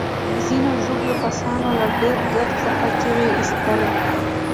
ځینو ژوبلو کسانو له ډیر درد څخه چیغې ایستلې.